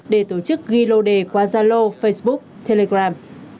để tổ chức ghi lô đề qua gia lô facebook telegram